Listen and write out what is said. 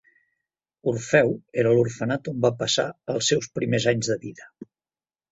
Orfeu era l'orfenat on va passar els seus primers anys de vida.